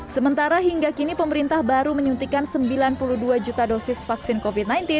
sementara hingga kini pemerintah baru menyuntikan sembilan puluh dua juta dosis vaksin covid sembilan belas